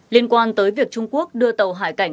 liên quan tới việc trung quốc đưa tàu hải cảnh